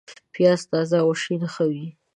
پیاز تازه او شین ښه وي